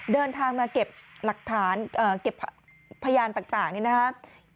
เดินทางมาเก็บหลักฐานเก็บพยานต่างนี่นะครับ